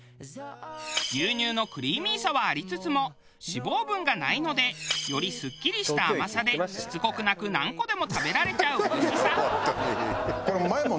牛乳のクリーミーさはありつつも脂肪分がないのでよりすっきりした甘さでしつこくなく何個でも食べられちゃうおいしさ。